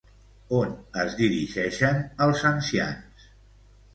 On es dirigeixen els ancians?